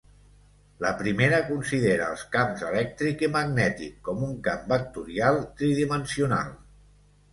La primera considera els camps elèctric i magnètic com un camp vectorial tridimensional.